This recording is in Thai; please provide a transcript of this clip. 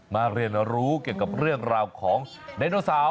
เรียนรู้เกี่ยวกับเรื่องราวของไดโนเสาร์